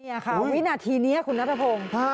นี่ค่ะวินาทีนี้คุณนัทพงศ์